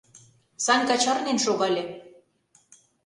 — Санька чарнен шогале.